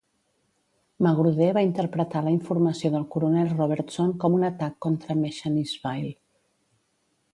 Magruder va interpretar la informació del coronel Robertson com un atac contra Mechanicsville.